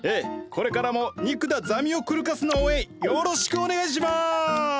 これからも肉田ザミオクルカスの応援よろしくお願いします！